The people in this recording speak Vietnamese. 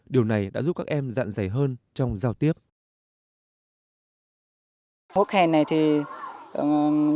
điều này đã giúp các em dạng dày hơn trong cuộc sống